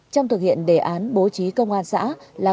trong thực hiện đề án bố trí công an xã